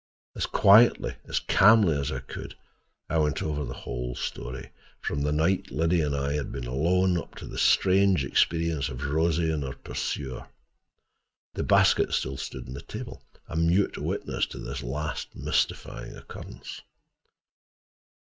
As quietly, as calmly as I could, I went over the whole story, from the night Liddy and I had been alone up to the strange experience of Rosie and her pursuer. The basket still stood on the table, a mute witness to this last mystifying occurrence.